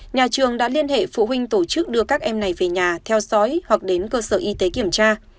nhà trường đã liên hệ phụ huynh tổ chức đưa các em này về nhà theo dõi hoặc đến cơ sở y tế kiểm tra